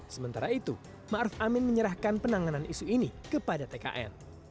sementara itu ma'ruf amin menyerahkan penanganan isu ini kepada tkn